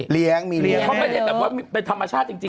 เขาเป็นธรรมชาติจริงนะใช่ไหม